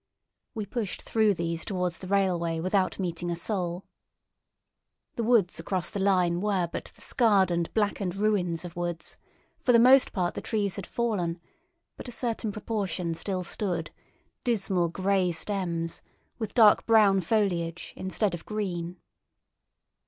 We pushed through these towards the railway without meeting a soul. The woods across the line were but the scarred and blackened ruins of woods; for the most part the trees had fallen, but a certain proportion still stood, dismal grey stems, with dark brown foliage instead of green.